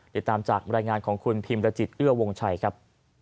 ติดตามจากบรรยายงานของคุณพิมรจิตเอื้อวงชัยครับ